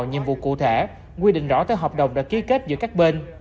nhiệm vụ cụ thể quy định rõ tới hợp đồng đã ký kết giữa các bên